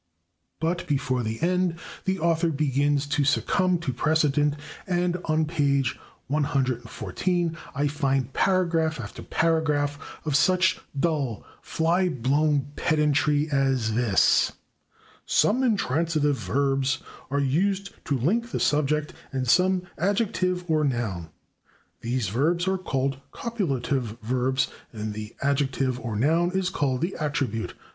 But before the end the author begins to succumb to precedent, and on page 114 I find [Pg182] paragraph after paragraph of such dull, flyblown pedantry as this: Some Intransitive Verbs are used to link the Subject and some Adjective or Noun. These Verbs are called Copulative Verbs, and the Adjective or Noun is called the Attribute.